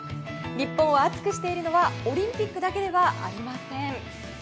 日本を熱くしているのはオリンピックだけではありません。